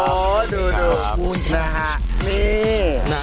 โอ้ดูขอบคุณครับ